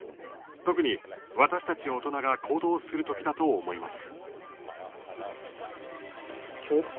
特に、私たち大人が行動をするときだと思います。